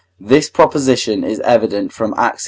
This proposition is evident from Ax.